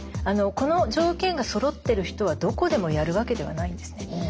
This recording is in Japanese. この条件がそろってる人はどこでもやるわけではないんですね。